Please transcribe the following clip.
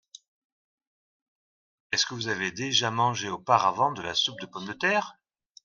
Est-ce que vous avez déjà mangé auparavant de la soupe de pommes de terre ?